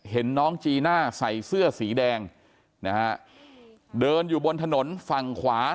เห็นน้องจีน่าใส่เสื้อสีแดงนะฮะเดินอยู่บนถนนฝั่งขวา